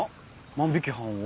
万引き犯を？